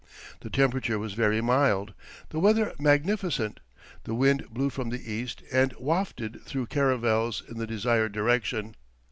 The temperature was very mild, the weather magnificent; the wind blew from the east and wafted the caravels in the desired direction.